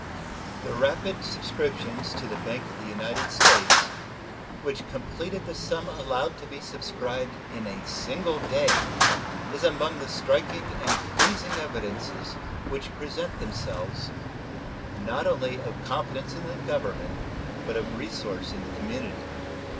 The rapid subscriptions to the Bank of the United States, which completed the sum allowed to be subscribed in a single day, is among the striking and pleasing evidences which present themselves, not only of confidence in the Government, but of resource in the community.